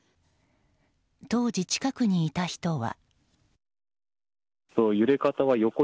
当時近くにいた人は。